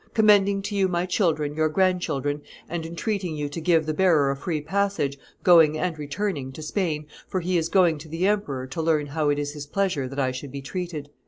Commending to you my children your grandchildren, and entreating you to give the bearer a free passage, going and returning, to Spain, for he is going to the emperor to learn how it is his pleasure that I should be treated."